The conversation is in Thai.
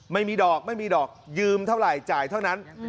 ไม่มีดอกไม่มีดอกยืมเท่าไหร่จ่ายเท่านั้น